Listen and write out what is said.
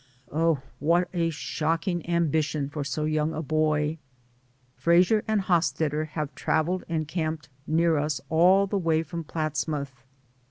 Oh, what a shocking am bition for so young a boy. Frasier and Hosstetter have traveled and camped near us all the way from Platts mouth.